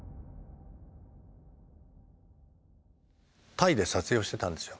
タイで撮影をしてたんですよ。